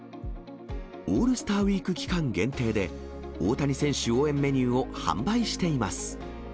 オールスターウィーク期間限定で、大谷選手応援メニューを販売しています。